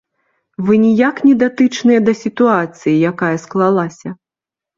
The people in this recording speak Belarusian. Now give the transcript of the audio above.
Вы ніяк не датычныя да сітуацыі, якая склалася.